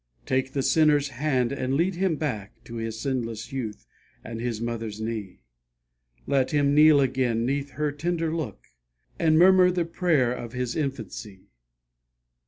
Take the sinner's hand and lead him back To his sinless youth and his mother's knee; Let him kneel again 'neath her tender look, And murmur the prayer of his infancy.